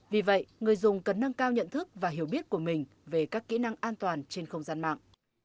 vì vậy người dùng cần nâng cao nhận thức và hiểu biết của mình về các kỹ năng an toàn trên không gian mạng